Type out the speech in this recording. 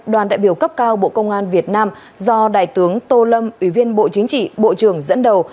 đoàn đại biểu cấp cao bộ công an việt nam do đại tướng tô lâm ủy viên bộ chính trị bộ trưởng dẫn đầu